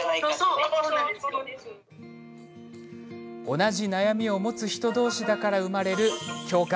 同じ悩みを持つ人どうしだから生まれる共感。